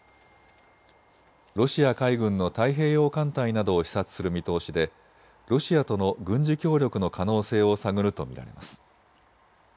ロシア海軍の太平洋艦隊などを視察する見通しでロシアとの軍事協力の可能性を探ると見られます。